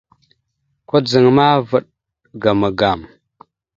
Kudzaŋ ma, vaɗ ga magam.